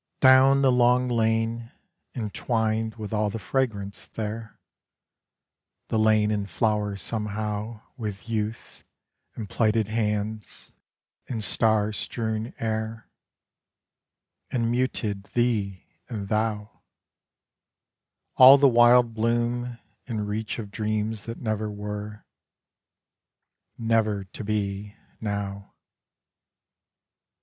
Down the long lane, entwined with all the fragrance there; The lane in flower somehow With youth, and plighted hands, and star strewn air, And muted 'Thee' and 'Thou': All the wild bloom and reach of dreams that never were, Never to be, now.